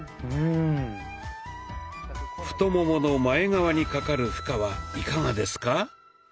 太ももの前側にかかる負荷はいかがですか？